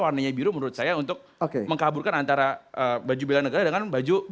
karena warnanya biru menurut saya untuk mengkaburkan antara baju belanegara dengan baju sentara